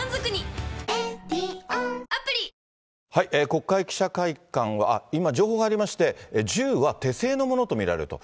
国会記者会館は、今、情報が入りまして、銃は手製のものと見られると。